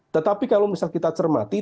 tetapi kalau misal kita cermati